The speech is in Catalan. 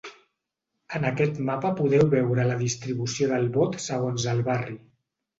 En aquest mapa podeu veure la distribució del vot segons el barri.